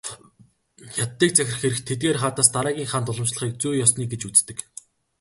Хятадыг захирах эрх эдгээр хаадаас дараагийн хаанд уламжлахыг "зүй ёсны" гэж үздэг.